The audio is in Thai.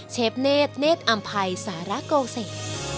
เชฟเนทเนทอัมภัยศาลากก่อเศษ